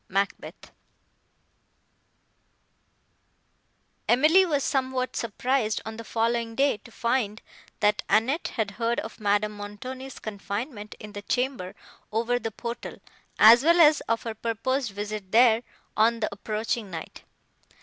MACBETH Emily was somewhat surprised, on the following day, to find that Annette had heard of Madame Montoni's confinement in the chamber over the portal, as well as of her purposed visit there, on the approaching night.